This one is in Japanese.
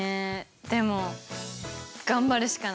でも頑張るしかない！